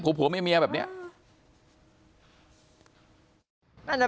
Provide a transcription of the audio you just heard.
โปรดติดตามต่อไป